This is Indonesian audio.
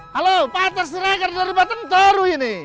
halo pak terserah dari batentoro ini